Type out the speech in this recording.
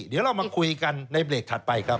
เดี๋ยวเรามาคุยกันในเบรกถัดไปครับ